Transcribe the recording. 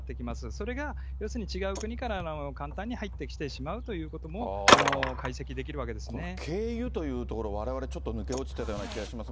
それが要するに、違う国から簡単に入ってきてしまうということも、解析できるわけ経由というところ、われわれちょっと抜け落ちてたような気がします。